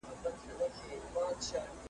له رباب څخه به هېر نوم د اجل وي ,